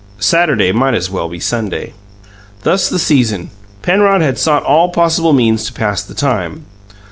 Saturday might as well be Sunday. Thus the season. Penrod had sought all possible means to pass the time.